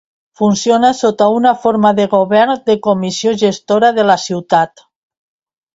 Funciona sota una forma de govern de comissió gestora de la ciutat.